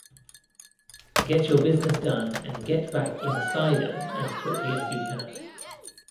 Get your business done and get back insider as quickly as you can.